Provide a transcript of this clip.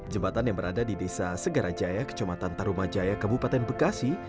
jembatan yang berada di desa segarajaya kecamatan tarumajaya kabupaten bekasi